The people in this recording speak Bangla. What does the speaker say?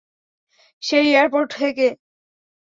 সেই এয়ারপোর্ট থেকে?